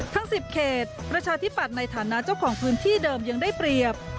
ทั้ง๑๐เขตประชาธิปัตย์ในฐานะเจ้าของพื้นที่เดิมยังได้เปรียบ